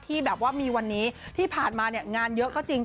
ที่แบบว่ามีวันนี้ที่ผ่านมาเนี่ยงานเยอะก็จริง